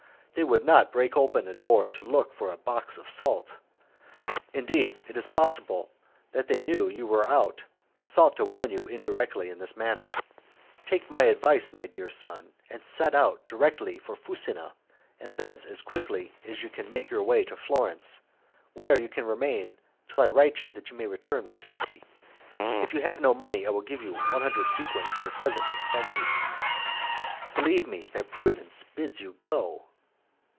They would not break open a door to look for a box of salt. Indeed, it is possible that they knew you were out, and sought to warn you to escape in this manner. Take my advice, my dear son, and set out directly for Fusina, and thence as quickly as you can make your way to Florence, where you can remain till I write to you that you may return with safety. If you have no money I will give you a hundred sequins for present expenses. Believe me that prudence bids you go."